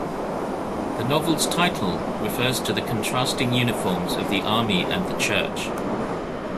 The novel's title refers to the contrasting uniforms of the Army and the Church.